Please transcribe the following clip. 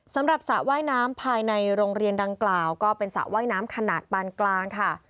สระว่ายน้ำภายในโรงเรียนดังกล่าวก็เป็นสระว่ายน้ำขนาดปานกลางค่ะ